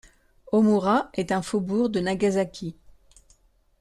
Omura est un faubourg de Nagasaki.